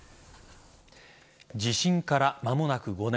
地震から間もなく５年。